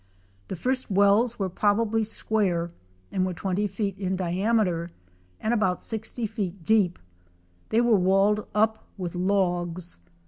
The first wells were probably square and were 20 feet in diameter, and about 60 feet deep. They were walled up with logs.